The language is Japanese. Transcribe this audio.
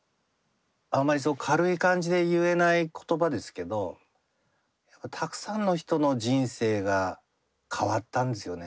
あんまりそう軽い感じで言えない言葉ですけどたくさんの人の人生が変わったんですよね。